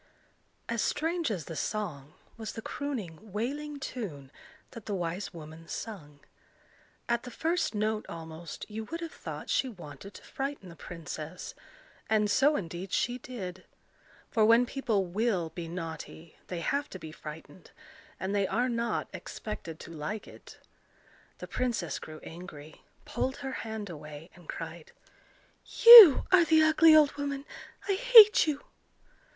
As strange as the song, was the crooning wailing tune that the wise woman sung. At the first note almost, you would have thought she wanted to frighten the princess; and so indeed she did. For when people will be naughty, they have to be frightened, and they are not expected to like it. The princess grew angry, pulled her hand away, and cried,— "You are the ugly old woman. I hate you!"